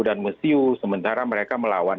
dan mesiu sementara mereka melawan